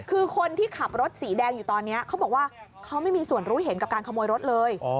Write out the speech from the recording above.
คือคนที่ขับรถสีแดงอยู่ตอนนี้เขาบอกว่าเขาไม่มีส่วนรู้เห็นกับการขโมยรถเลย